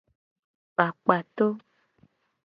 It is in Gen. Kpakpato.